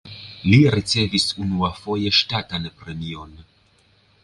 Li ricevis unuafoje ŝtatan premion.